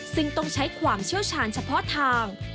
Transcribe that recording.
ซึ่งต้องใช้ความเชี่ยวชาญเฉพาะทาง